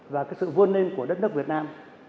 và cái sự vươn lên của đất nước việt nam